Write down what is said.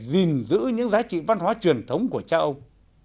gìn giữ những giá trị văn hóa truyền thống của cha ông